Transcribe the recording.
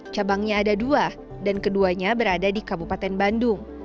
cabangnya ada dua dan keduanya berada di kabupaten bandung